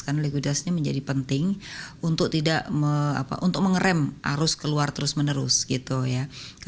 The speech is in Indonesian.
karena likuiditas ini menjadi penting untuk tidak untuk mengerem arus keluar terus menerus gitu ya